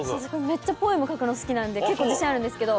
めっちゃポエム書くの好きなんで結構自信あるんですけど。